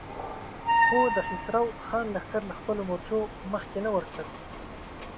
خو د خسرو خان لښکر له خپلو مورچو مخکې نه ورتلل.